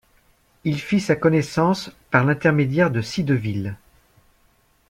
Il fit sa connaissance par l'intermédiaire de Cideville.